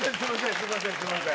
すいませんすいません。